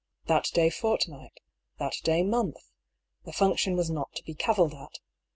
That day fortnight, that day month, the function was not to be cavilled at.